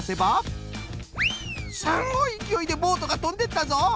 すんごいいきおいでボートがとんでったぞ！